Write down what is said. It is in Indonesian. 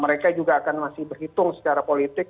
mereka juga akan masih berhitung secara politik